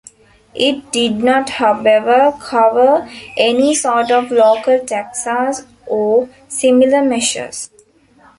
It did not however, cover any sort of local taxes or similar measures.